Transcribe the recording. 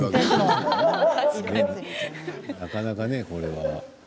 なかなか、これは。